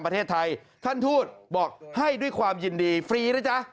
ท่านทูตบอกให้ด้วยความยินดีฟรีไรจ๊ะ